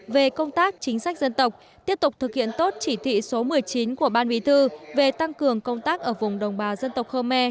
về công tác chính sách dân tộc tiếp tục thực hiện tốt chỉ thị số một mươi chín của ban bí thư về tăng cường công tác ở vùng đồng bào dân tộc khơ me